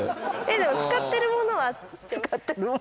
でも使ってるものは合ってます？